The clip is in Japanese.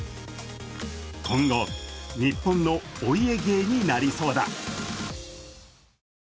今後、日本のお家芸になりそうだ。